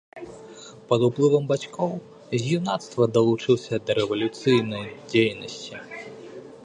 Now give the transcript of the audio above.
Пад уплывам бацькоў з юнацтва далучыўся да рэвалюцыйнай дзейнасці.